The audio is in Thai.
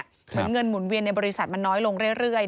เหมือนเงินหมุนเวียนในบริษัทมันน้อยลงเรื่อย